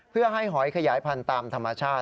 เพื่อให้หอยขยายพันธุ์ตามธรรมชาติ